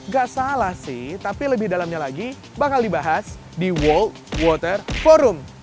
gak salah sih tapi lebih dalamnya lagi bakal dibahas di world water forum